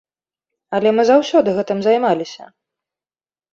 Але мы заўсёды гэтым займаліся.